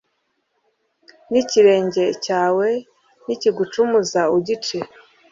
N'ikirenge cyawe nikigucumuza, ugice,